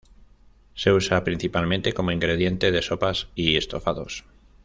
Se usa principalmente como ingrediente de sopas y estofados.